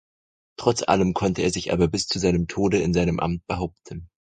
Trotz allem konnte er sich aber bis zu seinem Tode in seinem Amt behaupten.